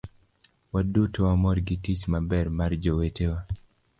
waduto wamor gi tich maber mar jowetewa